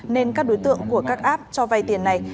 nên các đối tượng của các app cho vay tiền này